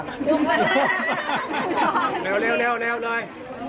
ให้ด้วย